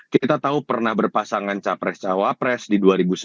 kita tahu pernah berpasangan capres cawapres di dua ribu sembilan belas